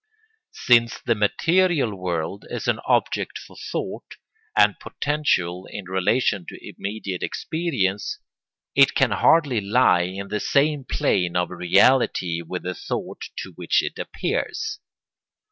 Since the material world is an object for thought, and potential in relation to immediate experience, it can hardly lie in the same plane of reality with the thought to which it appears.